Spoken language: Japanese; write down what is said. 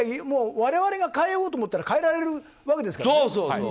我々が変えようと思ったら変えられるわけですから。